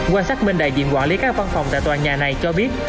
quan xác minh đại diện quản lý các văn phòng tại tòa nhà này cho biết